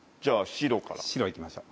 白行きましょう。